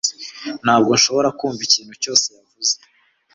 Ntabwo nshobora kumva ikintu cyose yavuze